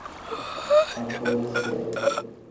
催催催